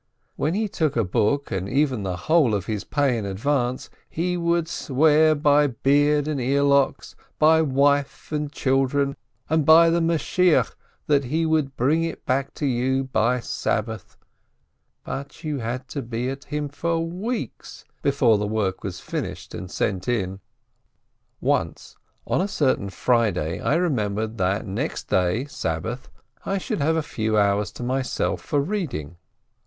When he took a book and even the whole of his pay in advance, he would swear by beard and earlocks, by wife and children, and by the Messiah, that he would bring it back to you by Sabbath, but you had to be at him for weeks before the work was finished and sent in. Once, on a certain Friday, I remembered that next day, Sabbath, I should have a few hours to myself for reading.